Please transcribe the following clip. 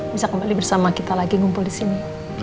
bisa kembali bersama kita lagi ngumpul disini